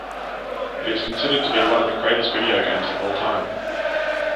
It is considered to be one of the greatest video games of all time.